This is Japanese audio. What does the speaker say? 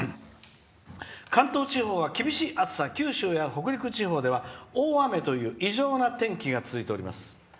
関東地方は厳しい暑さ九州や北陸地方では大雨という異常な天気が続いております」。